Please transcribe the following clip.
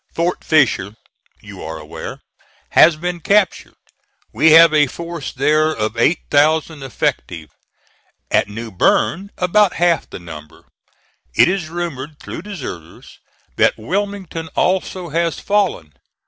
Fort Fisher, you are aware, has been captured. We have a force there of eight thousand effective. At New Bern about half the number. It is rumored, through deserters, that Wilmington also has fallen.